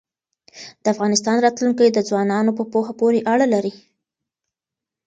د افغانستان راتلونکی د ځوانانو په پوهه پورې اړه لري.